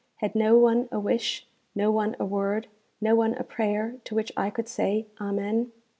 Had no one a wish, no one a word, no one a prayer to which I could say Amen?